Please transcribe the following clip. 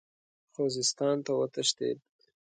خوزستان ته وتښتېد.